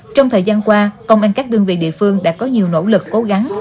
trong thời gian qua công an các đơn vị địa phương đã có nhiều nỗ lực cố gắng